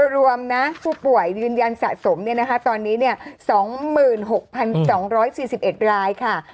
รวมนะผู้ป่วยยืนยันสะสมตอนนี้๒๖๒๔๑รายค่ะ